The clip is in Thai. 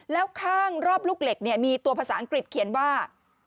แล้วข้างรอบลูกเหล็กเนี่ยมีตัวภาษาอังกฤษเขียนว่า